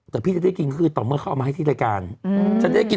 แต่พี่จะได้กินก็คือต่อเมื่อเขาเอามาให้ที่รายการฉันได้กิน